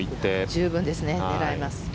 十分ですね、狙えます。